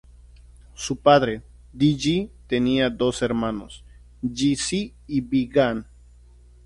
Su padre, Di Yi tenía dos hermanos, Ji Zi y Bi Gan.